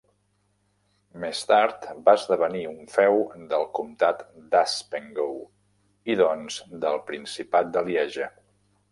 Més tard va esdevenir un feu del comtat d'Haspengouw i doncs del principat de Lieja.